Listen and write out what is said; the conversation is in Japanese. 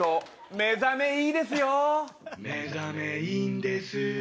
目覚めいいんです。